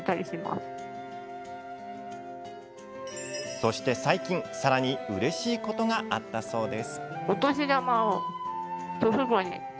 そして最近、さらにうれしいことがあったそうです。